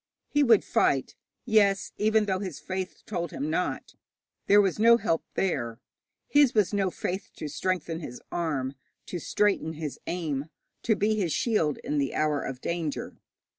He would fight yes, even though his faith told him not. There was no help there. His was no faith to strengthen his arm, to straighten his aim, to be his shield in the hour of danger.